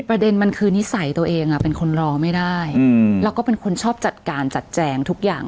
ประเด็นมันคือนิสัยตัวเองเป็นคนรอไม่ได้แล้วก็เป็นคนชอบจัดการจัดแจงทุกอย่าง